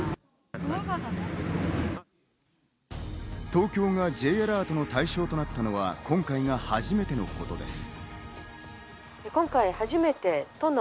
東京がＪアラートの対象となったのは今回が初めてのことです。